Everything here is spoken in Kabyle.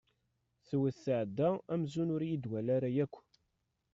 Tewwet tɛedda amzun ur iyi-d-twala ara akk.